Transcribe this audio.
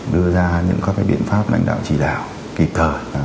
đưa ra những các biện pháp lãnh đạo chỉ đạo kịp thời